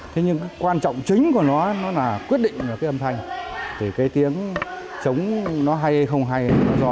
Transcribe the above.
thế nhưng quan trọng chính của nó là quyết định âm thanh để cái tiếng trống nó hay không hay nó giò là cái gỗ mít này